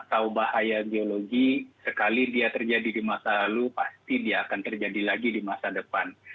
atau bahaya geologi sekali dia terjadi di masa lalu pasti dia akan terjadi lagi di masa depan